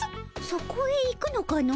そこへ行くのかの？